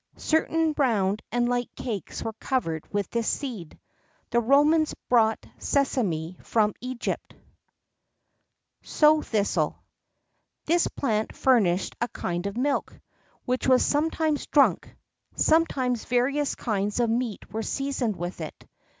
[X 4] Certain round and light cakes were covered with this seed.[X 5] The Romans brought sesame from Egypt.[X 6] SOW THISTLE. This plant furnished a kind of milk, which was sometimes drunk: sometimes various kinds of meat were seasoned with it.